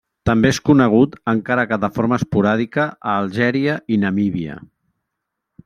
També és conegut, encara que de forma esporàdica, a Algèria i Namíbia.